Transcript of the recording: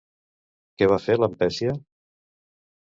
Què va fer Lampècia?